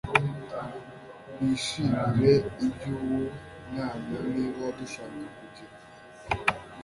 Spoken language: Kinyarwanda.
bishimire ibyuwo mwanya Niba dushaka kugira